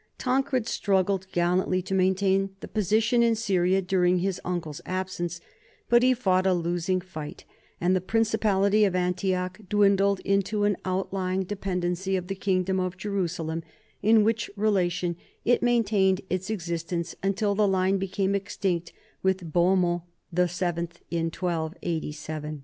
Tancred struggled gallantly to maintain the position in Syria during his uncle's absence, but he fought a losing fight, and the principality of Antioch dwindled into an outlying de pendency of the kingdom of Jerusalem, in which rela tion it maintained its existence until the line became extinct with Bohemond VII in 1287.